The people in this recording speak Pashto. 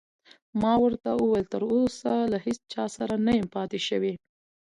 ما ورته وویل: تراوسه له هیڅ چا سره نه یم پاتې شوی.